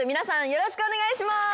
よろしくお願いします。